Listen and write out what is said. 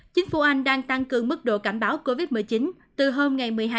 chính phủ anh đang tăng cường mức độ cảnh báo covid một mươi chín từ hôm một mươi hai một mươi hai